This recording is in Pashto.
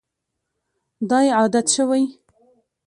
دا یې عادت شوی.